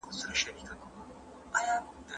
ملي ګرايي بايد د خيانت په معنا نه وي.